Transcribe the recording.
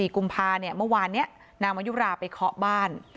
กุมภาเนี่ยเมื่อวานนี้นางมะยุราไปเคาะบ้าน